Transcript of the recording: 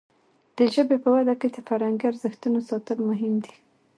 د ژبې په وده کې د فرهنګي ارزښتونو ساتل مهم دي.